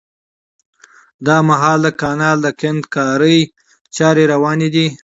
دا مهال د کانال د کندنکارۍ چاري رواني دي